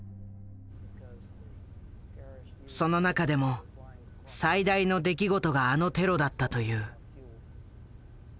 その中でも最大の出来事があのテロだったという。